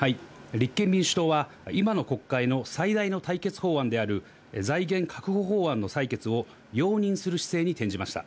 立憲民主党は今の国会の最大の対決法案である財源確保法案の採決を容認する姿勢に転じました。